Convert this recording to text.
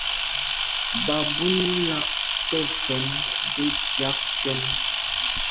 Bɑ̀ búnə́ lá tɔ̌ fɛ̀n ngə ndzɑ̂k ncwɛ́n.